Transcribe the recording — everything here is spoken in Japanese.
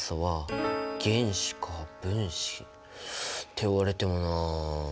って言われてもな。